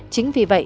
chính vì vậy